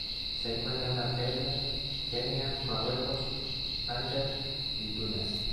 Se encuentra en Argelia, Kenia, Marruecos, Níger y Túnez.